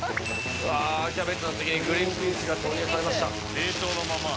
キャベツの次にグリンピースが投入されました。